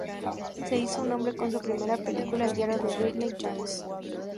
Se hizo un nombre con su primera película, "El Diario de Bridget Jones".